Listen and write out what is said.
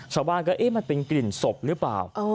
ชาวบ้านก็เอ๊ะมันเป็นกลิ่นศพหรือเปล่า